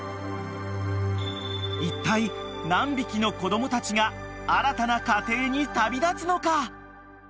［いったい何匹の子供たちが新たな家庭に旅立つのか］